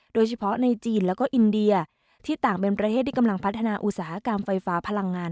โดยเฉพาะในจีนแล้วก็อินเดียที่ต่างเป็นประเทศที่กำลังพัฒนาอุตสาหกรรมไฟฟ้าพลังงาน